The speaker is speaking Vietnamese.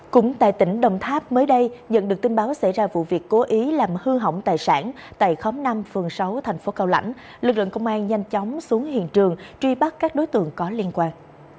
cũng tại tỉnh đồng tháp mới đây nhận được tin báo xảy ra vụ việc cố ý làm hư hỏng tài sản tại khóm năm phường sáu thành phố cao lãnh lực lượng công an nhanh chóng xuống hiện trường truy bắt các đối tượng có liên quan